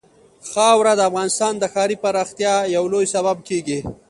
خاوره د افغانستان د ښاري پراختیا یو لوی سبب کېږي.